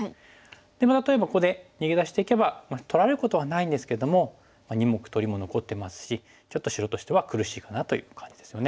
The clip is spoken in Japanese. で例えばここで逃げ出していけば取られることはないんですけども２目取りも残ってますしちょっと白としては苦しいかなという感じですよね。